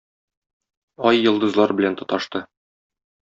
Ай-йолдызлар белән тоташты.